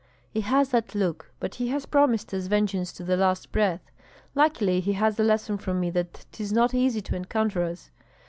"He has that look, but he has promised us vengeance to the last breath. Luckily he has a lesson from me that 'tis not easy to encounter us.